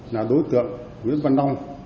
là đối tượng nguyễn văn long